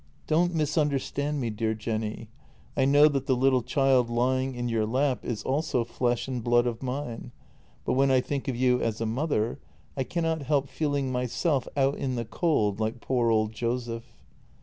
Don't misunderstand me, dear Jenny; I know that the little child lying in your lap is also flesh and blood of mine, but, when I think of you as a mother, I cannot help feeling myself out in the cold like poor old Joseph.